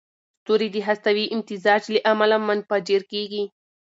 ستوري د هستوي امتزاج له امله منفجر کېږي.